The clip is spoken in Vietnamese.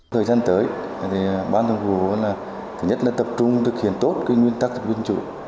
thời gian tới ban thường vụ nhất là tập trung thực hiện tốt nguyên tắc thật vinh trụ